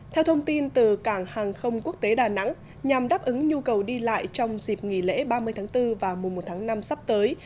theo thông tin từ cảng hàng không quốc tế đà nẵng nhằm đáp ứng nhu cầu đi lại trong dịp nghỉ lễ ba mươi tháng bốn và mùa một tháng năm sắp tới